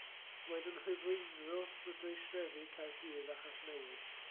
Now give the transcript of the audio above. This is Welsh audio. Roedd yn Rhyddfreiniwr bwrdeistrefi Caerdydd a Chasnewydd.